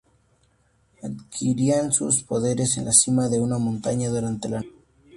Adquirían sus poderes en la cima de una montaña durante la noche.